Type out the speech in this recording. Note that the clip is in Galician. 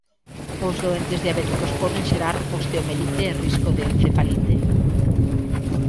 Os doentes diabéticos poden xerar osteomielite e risco de encefalite.